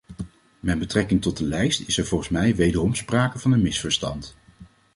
Met betrekking tot de lijst is er volgens mij wederom sprake van een misverstand.